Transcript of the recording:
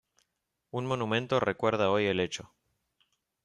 Un monumento recuerda hoy el hecho.